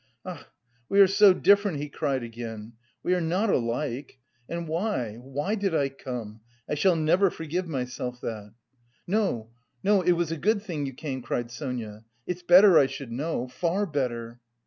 "Ach, we are so different," he cried again, "we are not alike. And why, why did I come? I shall never forgive myself that." "No, no, it was a good thing you came," cried Sonia. "It's better I should know, far better!"